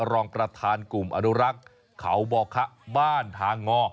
รองประธานกลุ่มอนุรักษ์เขาบ่อคะบ้านทางงอ